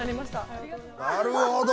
なるほど！